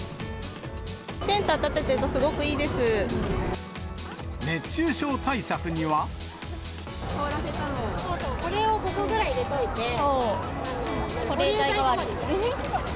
テント建ててると、すごくい熱中症対策には。凍らせたのを、これを５個ぐらい入れておいて、保冷剤代わりに。